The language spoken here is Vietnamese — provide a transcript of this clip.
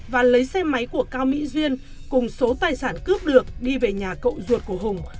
và lấy xe máy của cao mỹ duyên cùng số tài sản cướp được đi về nhà cậu ruột của hùng